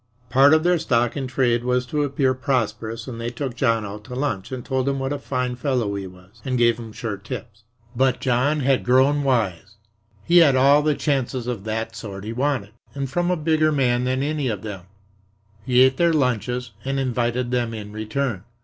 Part of their stock in trade was to appear prosperous and they took John out to lunch, and told him what a fine fellow he was, and gave him sure tips. But John had grown "wise." He had had all the chances of that sort he wanted, and from a bigger man than any of them. He ate their lunches and invited them in return.